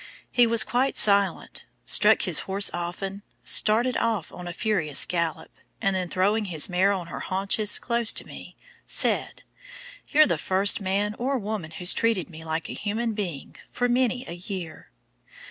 He was quite silent, struck his horse often, started off on a furious gallop, and then throwing his mare on her haunches close to me, said, "You're the first man or woman who's treated me like a human being for many a year."